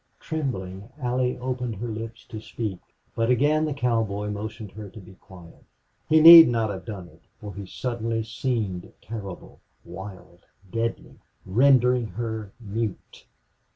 Trembling, Allie opened her lips to speak, but again the cowboy motioned her to be quiet. He need not have done it, for he suddenly seemed terrible, wild, deadly, rendering her mute.